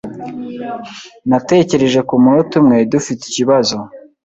Natekereje kumunota umwe dufite ikibazo.